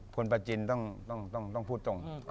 คุณประจินต้องพูดตรง